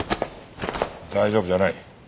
大丈夫じゃない。